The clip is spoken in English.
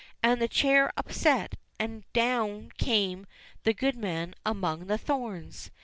And the chair upset, and down came the goodman among the thorns.